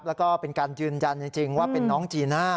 แล้วก็เป็นการยืนยันจริงว่าเป็นน้องจีน่า